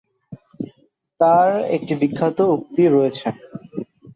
তার একটি বিখ্যাত উক্তি রয়েছেঃ